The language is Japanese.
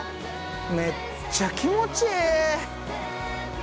めっちゃ気持ちええ！